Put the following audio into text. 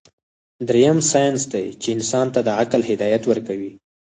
دريم سائنس دے چې انسان ته د عقل هدايت ورکوي